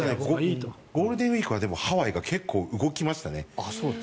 ゴールデンウィークはハワイが結構動きましたね。